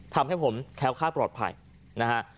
ทำให้ผมแค้วค่าปลอดภัยนะฮะ